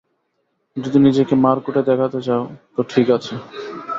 যদি নিজেকে মারকুটে দেখাতে চাও, তো ঠিক আছে।